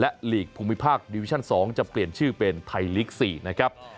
หลีกภูมิภาคดิวิชั่น๒จะเปลี่ยนชื่อเป็นไทยลีก๔นะครับ